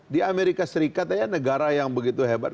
di amerika serikat aja negara yang begitu hebat